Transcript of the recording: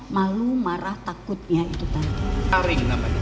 malu marah takutnya itu tadi